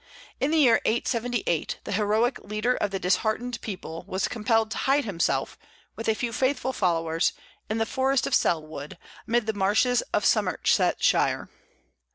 In the year 878 the heroic leader of the disheartened people was compelled to hide himself, with a few faithful followers, in the forest of Selwood, amid the marshes of Somersetshire.